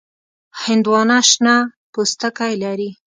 هندوانه شنه پوستکی لري.